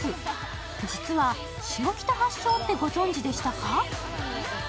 実は下北発祥ってご存じでしたか？